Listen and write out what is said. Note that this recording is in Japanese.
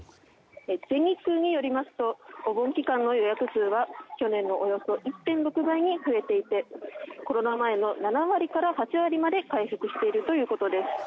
全日空によりますとお盆期間の予約数は去年のおよそ１．６倍に増えていてコロナ前の７割から８割まで回復しているということです。